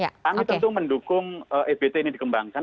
kami tentu mendukung ebt ini dikembangkan